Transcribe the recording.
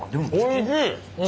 おいしい！